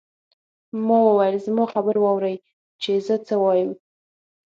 ما وویل زما خبره واورئ چې زه څه وایم.